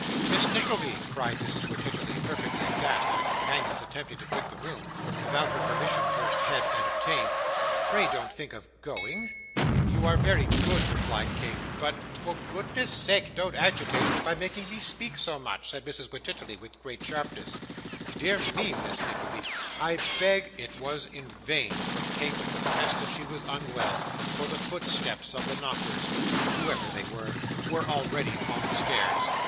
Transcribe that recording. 'Miss Nickleby!' cried Mrs. Wititterly, perfectly aghast at a companion's attempting to quit the room, without her permission first had and obtained. 'Pray don't think of going.' 'You are very good!' replied Kate. 'But ' 'For goodness' sake, don't agitate me by making me speak so much,' said Mrs. Wititterly, with great sharpness. 'Dear me, Miss Nickleby, I beg ' It was in vain for Kate to protest that she was unwell, for the footsteps of the knockers, whoever they were, were already on the stairs.